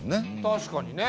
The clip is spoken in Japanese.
確かにね